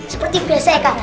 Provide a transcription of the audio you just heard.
seperti biasa ya kak